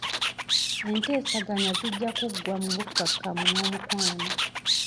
Enteeseganya zijja kuggwa mu bukkakkamu n'omukwano.